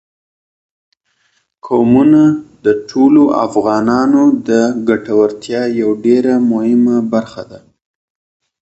قومونه د ټولو افغانانو د ګټورتیا یوه ډېره مهمه برخه ده.